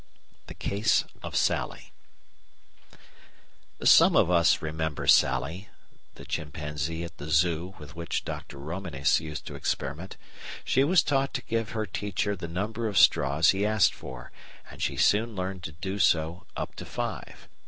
The Case of Sally Some of us remember Sally, the chimpanzee at the "Zoo" with which Dr. Romanes used to experiment. She was taught to give her teacher the number of straws he asked for, and she soon learned to do so up to five.